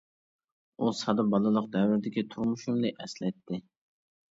ئۇ سادا بالىلىق دەۋردىكى تۇرمۇشۇمنى ئەسلەتتى.